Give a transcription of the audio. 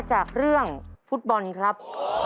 จากเรื่องฟุตบอลครับ